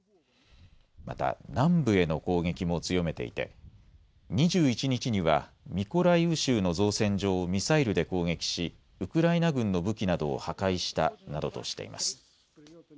また南部への攻撃も強めていて２１日にはミコライウ州の造船所をミサイルで攻撃しウクライナ軍の武器などを破壊したなどとしています。